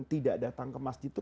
tidak datang ke masjid itu